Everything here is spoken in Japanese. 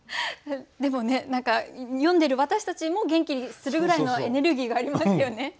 でもね何か読んでる私たちも元気にするぐらいのエネルギーがありますよね。